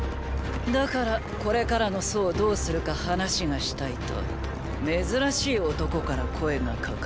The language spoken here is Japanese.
だからこれからの楚をどうするか話がしたいと珍しい男から声がかかった。